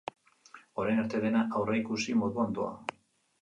Orain arte dena aurreikusi moduan doa.